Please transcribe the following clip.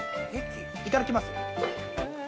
いただきます。